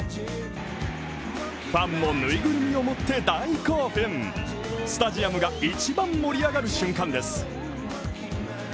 ファンもぬいぐるみを持って大興奮、スタジアムが一番盛り上がる瞬間です。